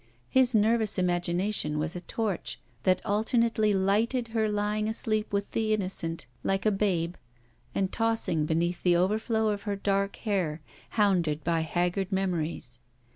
His nervous imagination was a torch that alternately lighted her lying asleep with the innocent, like a babe, and tossing beneath the overflow of her dark hair, hounded by haggard memories.